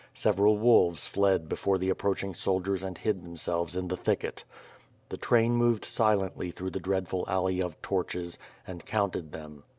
Several wolves fled before the approaching soldiers and hid themselves in the thicket. The train moved silently through the dreadful alley of "torches" and counted them.